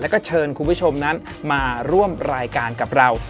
แล้วก็เชิญคุณผู้ชมนั้นมาร่วมรายการกับเรา